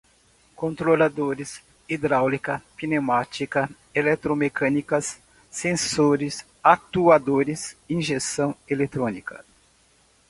Controlador, hidráulica, pneumática, eletromecânicas, sensores, atuadores, injeção eletrônica